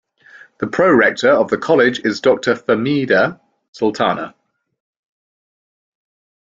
The pro-rector of the college is Doctor Fehmida Sultana.